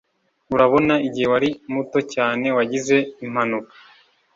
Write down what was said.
urabona, igihe wari muto cyane, wagize impanuka